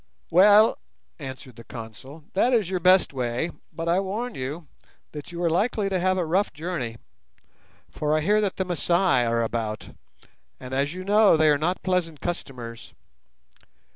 "Well," answered the Consul, "that is your best way, but I warn you that you are likely to have a rough journey, for I hear that the Masai are about, and, as you know, they are not pleasant customers.